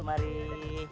sama sama ibu mari